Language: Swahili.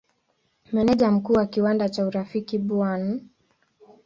Meneja Mkuu wa kiwanda cha Urafiki Bw.